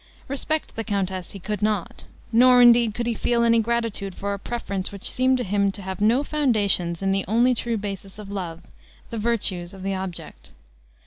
Respect the countess he could not; nor, indeed, could he feel any gratitude for a preference which seemed to him to have no foundations in the only true basis of love the virtues of the object.